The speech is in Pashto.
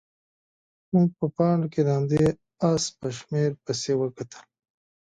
موږ په پاڼه کې د همدې اس په شمېره پسې وکتل.